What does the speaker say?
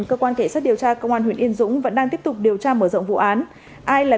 cơ quan cảnh sát điều tra công an huyện yên dũng vẫn đang tiếp tục điều tra mở rộng vụ án ai là